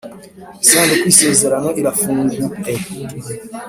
Isanduku y isezerano irafungue